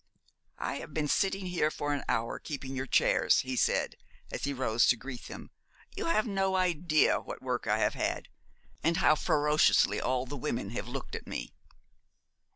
'I have been sitting here for an hour keeping your chairs,' he said, as he rose to greet them. 'You have no idea what work I have had, and how ferociously all the women have looked at me.'